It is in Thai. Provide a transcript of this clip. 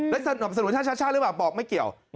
และสนับสนุนท่านชาติชาติหรือเปล่าบอกไม่เกี่ยว